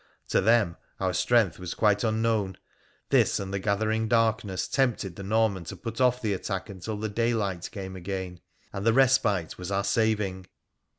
To them our strength was quite unknown ; this and the gathering darkness tempted the Norman to put off the attack until the daylight came again, and the respite was our saving.